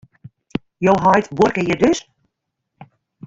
Jo heit buorke hjir dus?